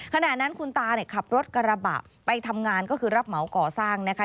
ขณะนั้นคุณตาเนี่ยขับรถกระบะไปทำงานก็คือรับเหมาก่อสร้างนะคะ